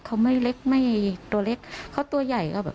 เขาไม่เล็กไม่ตัวเล็กเขาตัวใหญ่ก็แบบ